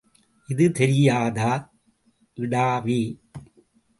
இது தெரியாதா இடாவே?